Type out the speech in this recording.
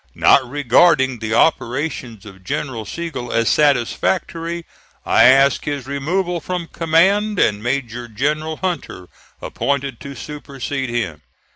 Not regarding the operations of General Sigel as satisfactory, I asked his removal from command, and Major General Hunter appointed to supersede him.